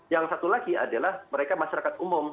yang satu lagi adalah mereka masyarakat umum